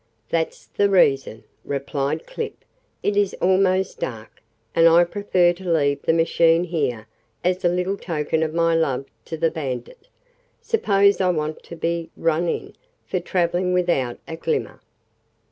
"That's the reason," replied Clip. "It is almost dark, and I prefer to leave the machine here as a little token of my love to the bandit. Suppose I want to be 'run in' for traveling without a glimmer'?"